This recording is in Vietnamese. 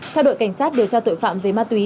theo đội cảnh sát điều tra tội phạm về ma túy